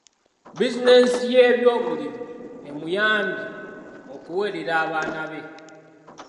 Bizinensi ye ey'obulimi emuyambye okuweerera abaana be.